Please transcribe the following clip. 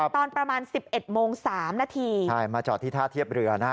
ตอนประมาณ๑๑โมง๓นาทีมาจอดที่ท่าเทียบเรือนะ